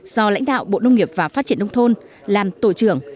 do lãnh đạo bộ nông nghiệp và phát triển nông thôn làm tổ trưởng